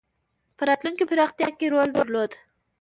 په راتلونکې پراختیا کې رول درلود.